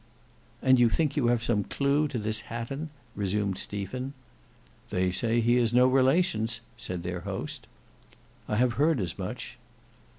"And you think you have some clue to this Hatton?" resumed Stephen. "They say he has no relations," said their host. "I have heard as much."